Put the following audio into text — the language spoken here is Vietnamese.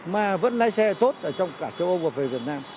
mà vẫn lái xe tốt ở trong cả châu âu và về việt nam